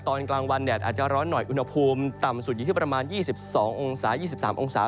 ตอนกลางวันแดดอาจจะร้อนหน่อยอุณหภูมิต่ำสุดอยู่ที่ประมาณ๒๒องศา๒๓องศา